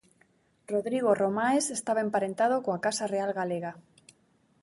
Rodrigo Romaes estaba emparentado coa casa real galega.